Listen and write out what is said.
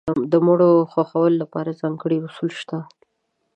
د مړو د ښخولو لپاره ځانګړي اصول شته.